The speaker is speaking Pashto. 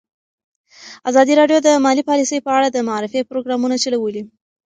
ازادي راډیو د مالي پالیسي په اړه د معارفې پروګرامونه چلولي.